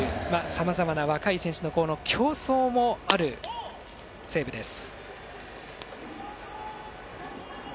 さまざまな若い選手の競争もある西武です。